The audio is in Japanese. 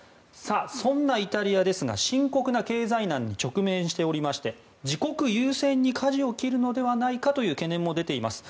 そんなイタリアですが深刻な経済難に直面しておりまして自国優先にかじを切るのではないかとの懸念も出ています。